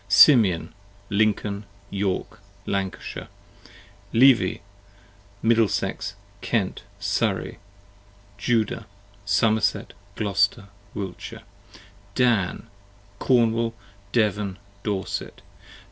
Simeon, Lincoln, York, Lancashire. 45 Levi, Middlesex, Kent, Surrey. Judah, Somerset, Glouster, Wiltshire. Dan, Cornwall, Devon, Dorset.